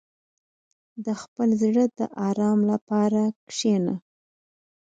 • د خپل زړه د آرام لپاره کښېنه.